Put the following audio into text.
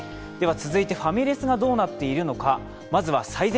続いてファミレスがどうなっているのか。